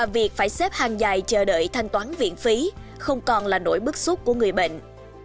việc phải xếp hàng dài chờ đợi thanh toán viện phí không còn là nỗi bức xúc của người bệnh